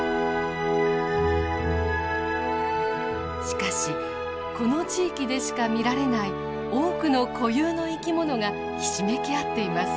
しかしこの地域でしか見られない多くの固有の生き物がひしめき合っています。